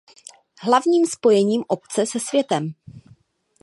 Hlavním spojením obce se světem.